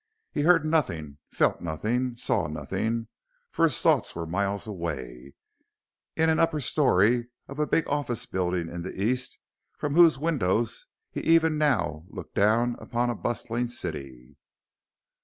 He heard nothing, felt nothing, saw nothing for his thoughts were miles away, in an upper story of a big office building in the East from whose windows he even now looked down upon a bustling city.